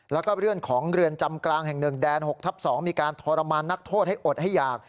แล้วก็เรื่องของเรือนจำกลางแห่ง๑แดน๖ทับ๒มีการทรมานนักโทษให้อดให้อยาก